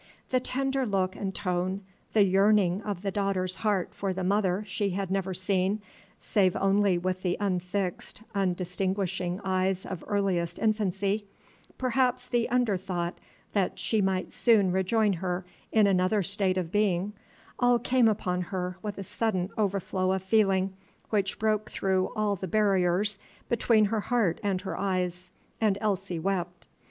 The tender look and tone, the yearning of the daughter's heart for the mother she had never seen, save only with the unfixed, undistinguishing eyes of earliest infancy, perhaps the under thought that she might soon rejoin her in another state of being, all came upon her with a sudden overflow of feeling which broke through all the barriers between her heart and her eyes, and Elsie wept.